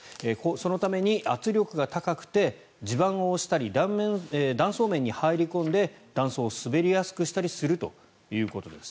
そのために圧力が高くて地盤を押したり断層面に入り込んで断層を滑りやすくしたりするということです。